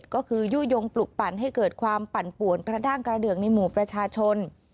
ก็คือยู่ยงปลุกปั่นให้เกิดความปั่นป่วนกระด้างกระเดืองในหมู่ประชาชน